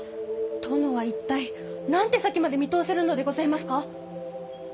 殿は一体何手先まで見通せるのでございますか？